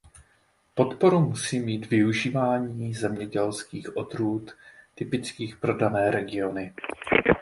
Podporu musí mít využívání zemědělských odrůd typických pro dané regiony.